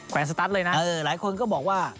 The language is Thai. แวนสตั๊ดเลยนะหลายคนก็บอกว่า